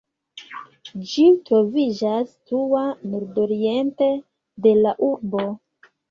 Ĝi troviĝas situa nordoriente de la urbo.